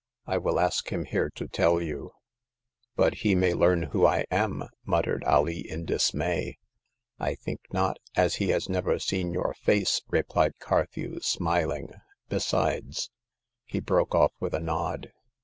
I will ask him here to tell you.*' '* But he may learn who I am !" muttered Alee, in dismay. *' I think not, as he has never seen your face," replied Carthew, smiling, besides " He broke off with a nod.